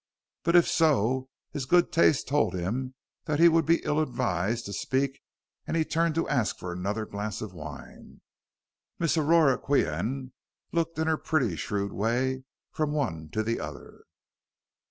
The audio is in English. But if so his good taste told him that he would be ill advised to speak and he turned to ask for another glass of wine. Miss Aurora Qian looked in her pretty shrewd way from one to the other.